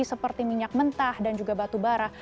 seperti minyak mentah dan juga batu bara